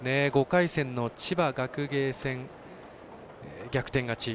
５回戦の千葉学芸戦、逆転勝ち